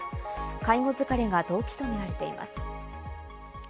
介護疲れが動機と見られています。